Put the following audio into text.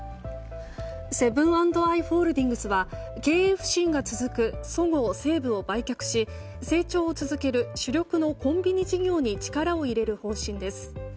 セブン＆アイ・ホールディングスは経営不振が続くそごう・西武を売却し成長を続ける主力のコンビニ事業に力を入れる方針です。